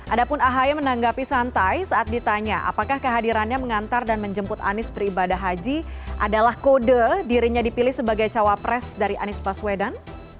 adapun ahy menanggapi santai saat ditanya apakah kehadirannya mengantar dan menjemput anies beribadah haji adalah kode dirinya dipilih sebagai cawapres dari anies baswedan